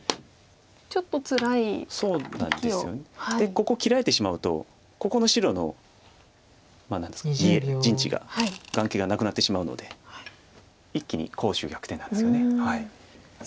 ここ切られてしまうとここの白の陣地が眼形がなくなってしまうので一気に攻守逆転なんですよね。